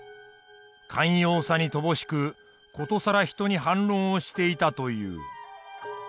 寛容さに乏しく殊更人に反論をしていたという。